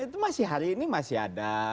itu masih hari ini masih ada